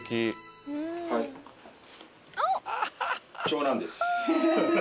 長男です。